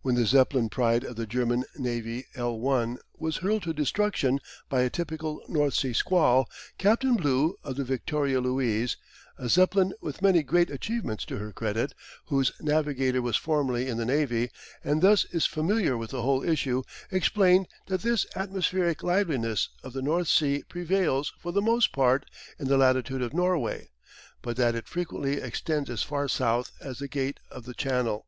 When the Zeppelin pride of the German Navy "L 1" was hurled to destruction by a typical North Sea squall, Captain Blew of the Victoria Luise, a Zeppelin with many great achievements to her credit, whose navigator was formerly in the Navy, and thus is familiar with the whole issue, explained that this atmospheric liveliness of the North Sea prevails for the most part in the latitude of Norway, but that it frequently extends as far south as the gate of the Channel.